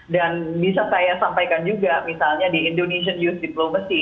dan bisa saya sampaikan juga misalnya di indonesian youth diplomacy